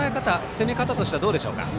攻め方としてはどうでしょうか。